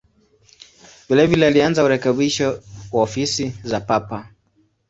Vilevile alianza urekebisho wa ofisi za Papa.